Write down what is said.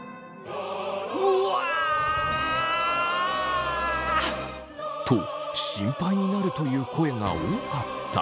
うわ！と心配になるという声が多かった。